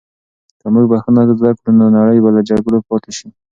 که موږ بښنه زده کړو، نو نړۍ به له جګړو پاکه شي.